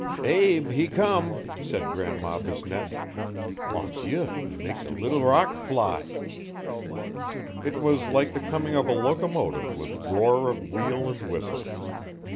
'Abe he come,' said Grandma Bisnette. 'Mon Dieu! he make de leetle rock fly.' It was like the coming of a locomotive with roar of wheel and whistle.